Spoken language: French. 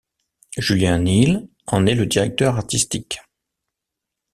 Julien Neel en est le directeur artistique.